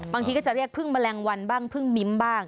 บางทีก็จะเรียกพึ่งแมลงวันบ้างพึ่งมิ้มบ้าง